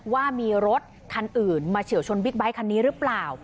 ว่ามีรถคันอื่นมาเฉียวชนบิ๊กไบท์คันนี้หรือเปล่า